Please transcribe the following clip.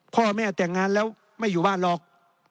พ่อแม่แต่งงานแล้วไม่อยู่บ้านหรอก